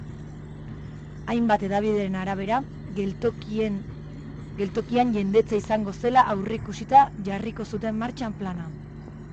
Hainbat hedabideren arabera, geltokian jendetza izango zela aurreikusita jarriko zuten martxa plana.